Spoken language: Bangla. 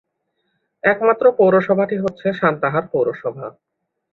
একমাত্র পৌরসভাটি হচ্ছে সান্তাহার পৌরসভা।